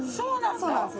そうなんです。